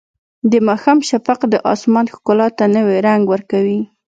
د ماښام شفق د اسمان ښکلا ته نوی رنګ ورکوي.